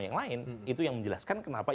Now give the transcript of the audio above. yang lain itu yang menjelaskan kenapa